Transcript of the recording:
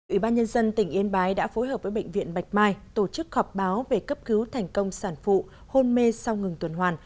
ủy ban nhân dân tỉnh yên bái đã phối hợp với bệnh viện bạch mai tổ chức họp báo về cấp cứu thành công sản phụ hôn mê sau ngừng tuần hoàn